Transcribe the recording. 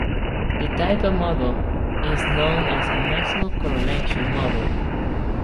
This type of model is known as a maximum correlation model.